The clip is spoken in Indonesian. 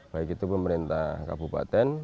baik itu pemerintah kabupaten